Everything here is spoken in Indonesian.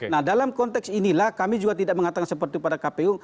nah dalam konteks inilah kami juga tidak mengatakan seperti pada kpu